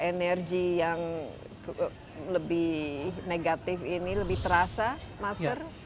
energi yang lebih negatif ini lebih terasa master